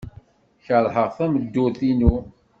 Keṛheɣ tameddurt-inu.